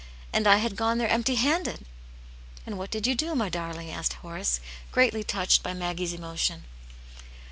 And I had gone there empty handed !" "And what did you do, my darling?" asked Horace, greatly touched by Maggie's emotion.